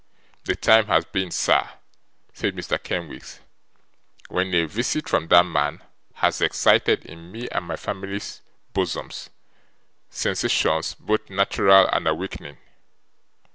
The time has been, sir,' said Mr. Kenwigs, 'when a wisit from that man has excited in me and my family's boozums sensations both nateral and awakening.